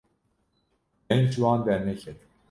deng ji wan derneket